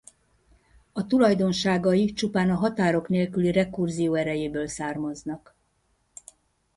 A tulajdonságai csupán a határok nélküli rekurzió erejéből származnak.